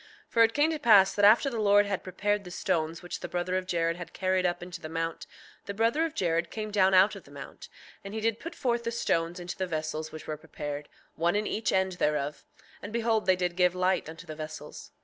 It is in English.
6:2 For it came to pass after the Lord had prepared the stones which the brother of Jared had carried up into the mount, the brother of Jared came down out of the mount, and he did put forth the stones into the vessels which were prepared, one in each end thereof; and behold, they did give light unto the vessels.